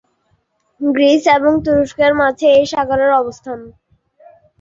Greece এবং তুরস্কের মাঝে এই সাগরের অবস্থান।